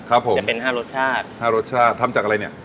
ครับผมจะเป็นห้ารสชาติห้ารสชาติทำจากอะไรเนี้ย